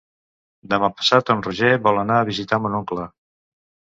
Demà passat en Roger vol anar a visitar mon oncle.